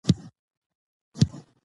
تعلیم د پوهې د ورکړې یوه مؤثره لاره ده.